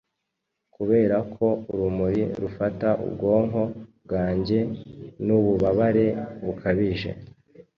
Kuberako urumuri rufata ubwonko bwanjye Nububabare bukabije.